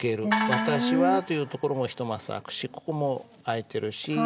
「私は、」というところも一マスあくしここもあいてるし。